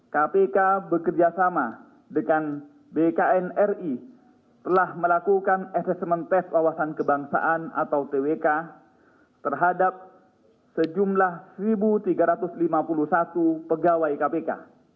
kpk bekerjasama dengan bknri telah melakukan asesmen tes wawasan kebangsaan atau twk terhadap sejumlah satu tiga ratus lima puluh satu pegawai kpk